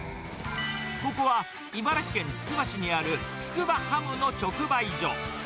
ここは、茨城県つくば市にある、筑波ハムの直売所。